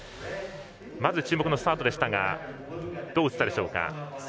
まず注目のスタートでしたがどう映ったでしょうか。